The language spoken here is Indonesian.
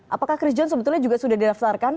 apakah christian sebetulnya juga sudah didaftarkan